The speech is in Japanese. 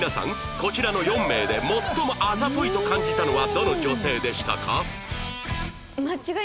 こちらの４名で最もあざといと感じたのはどの女性でしたか？